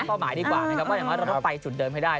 ต้องการตั้งเป้าหมายดีกว่านะครับว่าเราต้องไปชุดเดิมให้ได้